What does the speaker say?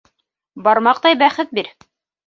Бармаҡтай бәхет бир.